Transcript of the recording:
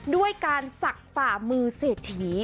ด้วยการศักดิ์ฝ่ามือเศรษฐี